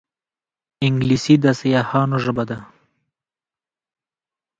انګلیسي د سیاحانو ژبه ده